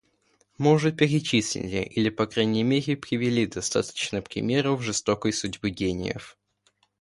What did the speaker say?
Мы уже перечислили или, по крайней мере, привели достаточно примеров жестокой судьбы гениев.